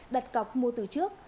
đặt cọc mua từ trước